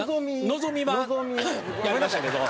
のぞみはやりましたけど。